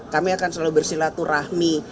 kami akan selalu bersilaturahmi